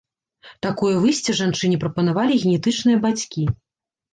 Такое выйсце жанчыне прапанавалі генетычныя бацькі.